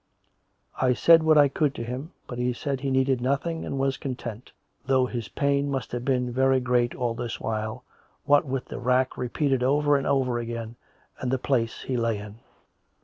I said what I could to him, but he said he needed nothing and was content, though his pain must have been very great all this while, what with the racking repeated over and over again and the place he lay in.